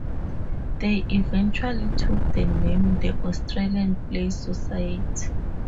They eventually took the name the Australian Play Society.